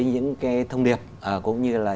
những cái thông điệp cũng như là